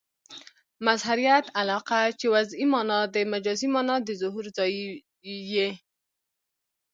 مظهریت علاقه؛ چي وضعي مانا د مجازي مانا د ظهور ځای يي.